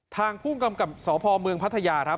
ทางภูมิกำกับสอพอม์เมืองพัทยา